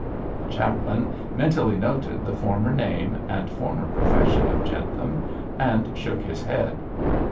The chaplain mentally noted the former name and former profession of Jentham and shook his head.